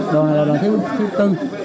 đoàn này là đoàn thiếu tư